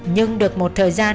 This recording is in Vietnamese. nhưng được một thời gian